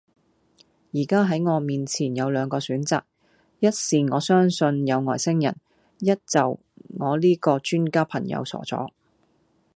依家系我面前有兩個選擇，一是我相信有外星人，一就我呢個專家朋友傻左